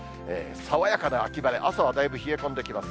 爽やかな秋晴れ、朝はだいぶ冷え込んできます。